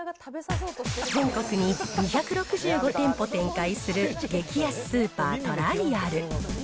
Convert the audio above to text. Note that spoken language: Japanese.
全国に２６５店舗展開する激安スーパー、トライアル。